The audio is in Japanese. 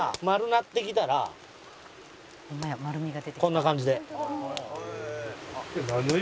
こんな感じで。